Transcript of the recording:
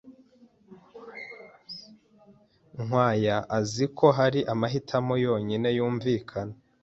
Nkwaya azi ko hari amahitamo yonyine yumvikana.